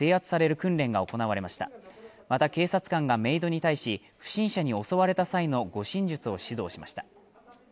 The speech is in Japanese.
また警察官がメイドに対し、不審者に襲われた際の護身術を指導しました。